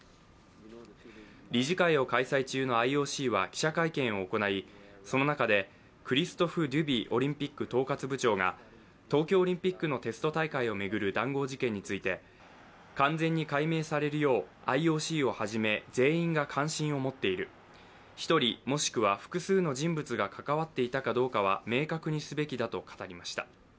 理事会を開催中のＩＯＣは記者会見を行いその中でクリストフ・デュビオリンピック統括部長が、東京オリンピックのテスト大会を巡る談合事件について、完全に解明されるようＩＯＣをはじめ全員が関心を持っている、１人もしくは複数の人物が関わっていたかどうかは明確にすべきだと語りました。